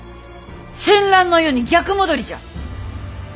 戦乱の世に逆戻りじゃ。